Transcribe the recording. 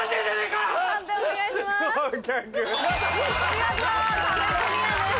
見事壁クリアです！